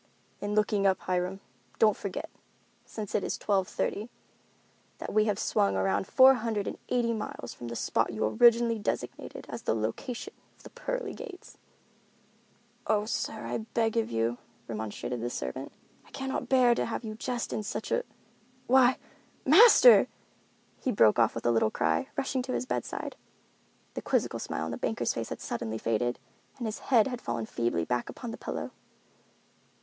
"In looking up, Hiram, don't forget, since it is twelve thirty, that we have swung around four hundred and eighty miles from the spot you originally designated as the location of the Pearly Gates." "Oh, sir, I beg of you," remonstrated the servant, "I cannot bear to have you jest on such a—why, master!" he broke off with a little cry, rushing to his bedside. The quizzical smile on the banker's face had suddenly faded, and his head had fallen feebly back upon the pillow.